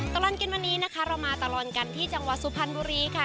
ตลอดกินวันนี้นะคะเรามาตลอดกันที่จังหวัดสุพรรณบุรีค่ะ